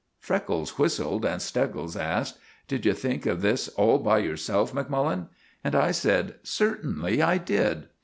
Freckles whistled, and Steggles asked— "Did you think of that all by yourself, Macmullen?" And I said, "Certainly I did."